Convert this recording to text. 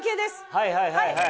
はいはいはいはい。